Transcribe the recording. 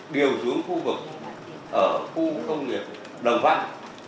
điều xuống khu vực ở khu công nghiệp đồng văn